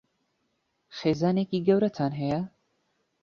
خێزانێکی گەورەتان هەیە؟